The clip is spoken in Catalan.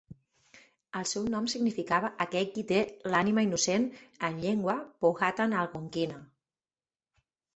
El seu nom significava "aquell qui té l'ànima innocent" en llengua powhatan algonquina.